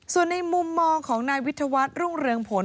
ส่วนในมุมมองของนายวิทยาวัฒน์รุ่งเรืองผล